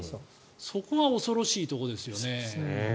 そこが恐ろしいところですよね。